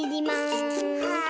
はい。